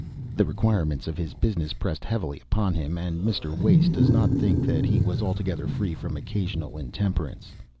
The requirements of his business pressed heavily upon him, and Mr. Wace does not think that he was altogether free from occasional intemperance.